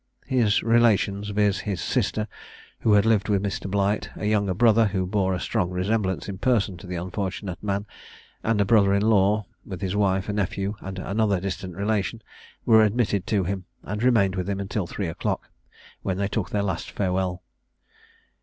His relations, viz., his sister, who had lived with Mr. Blight, a younger brother, who bore a strong resemblance in person to the unfortunate man, and a brother in law, with his wife, a nephew, and another distant relation, were admitted to him, and remained with him until three o'clock, when they took their last farewell.